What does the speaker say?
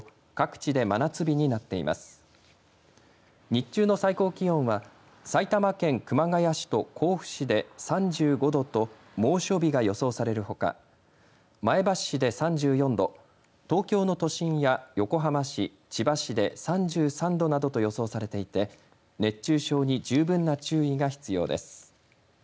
日中の最高気温は埼玉県熊谷市と甲府市で３５度と猛暑日が予想されるほか前橋市で３４度、東京の都心や横浜市、千葉市で３３度などと予想されていて熱中症に十分な注意が必要です。